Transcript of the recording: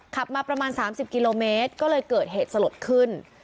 ขับมาประมาณ๓๐กิโลเมตรก็เลยเกิดเหตุสลดขึ้น